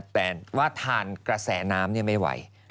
แต่ว่าทานกระแสน้ำไม่ไหว